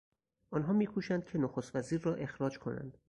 آنها میکوشند که نخستوزیر را اخراج کنند.